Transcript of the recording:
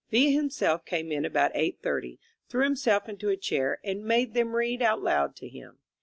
Villa himself came in about eight thirty, threw himself into a chair, and made them read out loud to him.